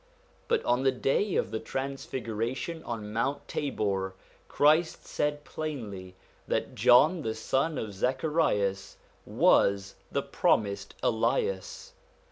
But on the day of the transfiguration on Mount Tabor, Christ said plainly that John the son of Zacharias was the promised Elias.